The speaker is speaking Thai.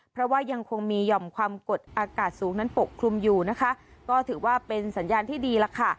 เพราะว่ายังคงมีหย่อมความกดอากาศสูงนั้นปกคลุมอยู่นะคะก็ถือว่าเป็นสัญญาณที่ดีล่ะค่ะ